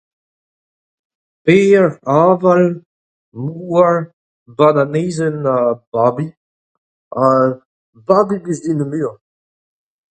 Pêr, aval, mouar, bananezenn ha babi ha babi 'blij din ar muiañ.